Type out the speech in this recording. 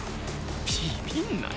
ビビんなよ